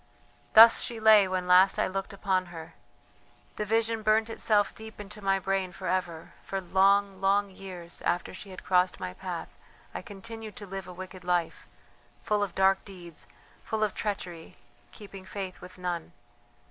Thus she lay when last I looked upon her; the vision burnt itself deep into my brain for ever. For long, long years after she had crossed my path I continued to live a wicked life, full of dark deeds, full of treachery, keeping faith with none.